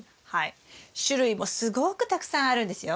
種類もすごくたくさんあるんですよ。